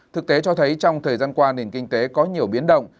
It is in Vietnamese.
thực tế cho thấy trong thời gian qua nền kinh tế có nhiều biến động